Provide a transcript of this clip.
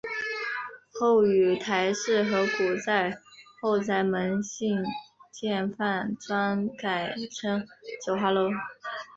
后与邰氏合股在后宰门兴建饭庄改称九华楼。